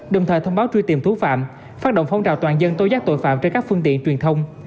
đồng thời thông báo truy tìm thú phạm phát động phong trào toàn dân tối giác tội phạm trên các phương tiện truyền thông